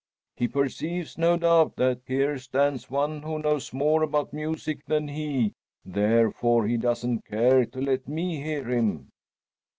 He perceives, no doubt, that here stands one who knows more about music than he, therefore he doesn't care to let me hear him."